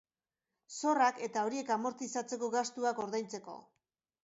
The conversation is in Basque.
Zorrak eta horiek amortizatzeko gastuak ordaintzeko.